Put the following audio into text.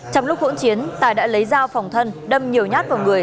trong lúc hỗn chiến tài đã lấy dao phòng thân đâm nhiều nhát vào người